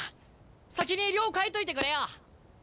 先に寮帰っといてくれよ。